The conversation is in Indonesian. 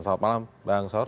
selamat malam bang saur